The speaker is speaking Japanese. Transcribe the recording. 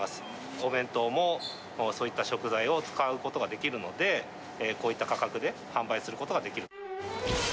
お弁当もそういった食材を使うことができるので、こういった価格で販売することができる。